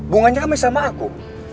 bunganya amai sama aku